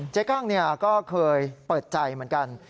กั้งก็เคยเปิดใจเหมือนกัน